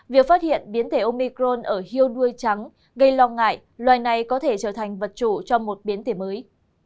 việc phát hiện biến thể omicron ở hiêu đuôi trắng gây lo ngại loài này có thể trở thành vật chủ cho một biến thể mới